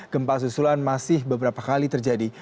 gempa susulan masih beberapa kali terjadi